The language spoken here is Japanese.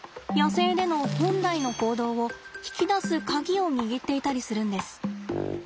野生での本来の行動を引き出すカギを握っていたりするんです。